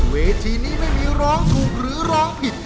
เวทีนี้ไม่มีร้องถูกหรือร้องผิด